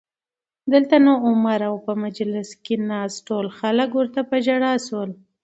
دلته نو عمر او مجلس کې ناست ټول خلک ورته په ژړا شول